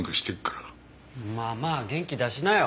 まあまあ元気出しなよ。